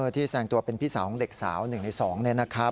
ที่แสดงตัวเป็นพี่สาวของเด็กสาว๑ใน๒เนี่ยนะครับ